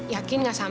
yakin gak sama